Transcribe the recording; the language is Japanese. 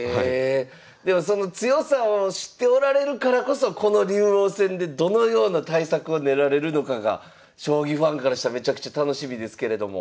でもその強さを知っておられるからこそこの竜王戦でどのような対策を練られるのかが将棋ファンからしたらめちゃくちゃ楽しみですけれども。